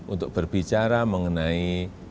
untuk berbicara mengenai